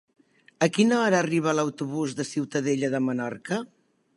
A quina hora arriba l'autobús de Ciutadella de Menorca?